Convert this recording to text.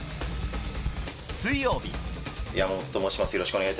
水曜日。